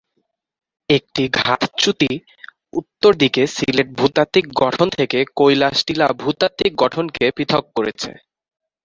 একটি ঘাত চ্যুতি উত্তর দিকে সিলেট ভূতাত্ত্বিক গঠন থেকে কৈলাস টিলা ভূতাত্ত্বিক গঠনকে পৃথক করেছে।